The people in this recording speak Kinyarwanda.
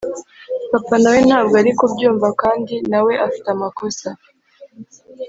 Papa nawe ntabwo ari kubyumva kandi nawe afite amakosa